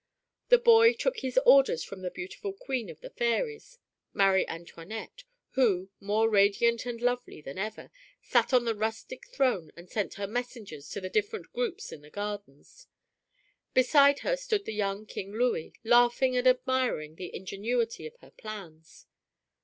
The boy took his orders from the beautiful Queen of the Fairies, Marie Antoinette, who, more radiant and lovely than ever, sat on the rustic throne and sent her messengers to the different groups in the gardens. Beside her stood the young King Louis, laughing and admiring the ingenuity of her plans.